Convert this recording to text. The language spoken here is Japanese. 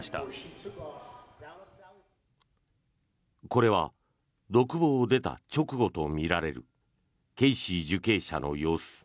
これは独房を出た直後とみられるケイシー受刑者の様子。